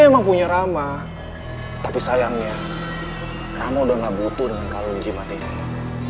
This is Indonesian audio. iya ini emang punya rama tapi sayangnya kamu udah nggak butuh dengan kalung jimat ini